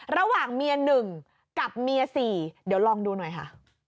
ระหว่างเมีย๑กับเมีย๔เดี๋ยวลองดูหน่อยค่ะ